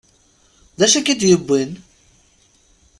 D acu i k-id-yewwin?